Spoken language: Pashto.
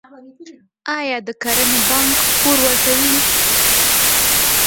آیا د کرنې بانک پور ورکوي؟